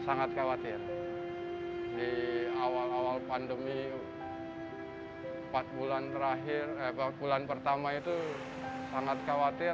sangat khawatir di awal awal pandemi empat bulan terakhir eh bulan pertama itu sangat khawatir